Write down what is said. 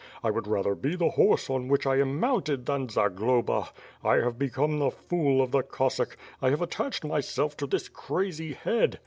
I would rather be tlie horse on which I am mounted than Zag loba. I have become the fool of the Cossack. I have at tached myself to this crazy head.